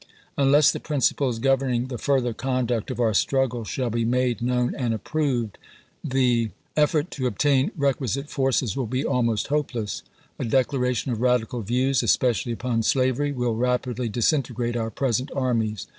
Unless the principles governing the further conduct of our struggle shaU be made known and approved, the w ^ habrison's landing 449 effort to obtain requisite forces will be almost hopeless, cu. xxiv. A declaration of radical views, especially upon slavery, will rapidly disintegrate our present armies.